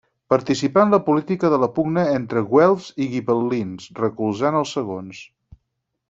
Participà en la política a la pugna entre güelfs i gibel·lins recolzant els segons.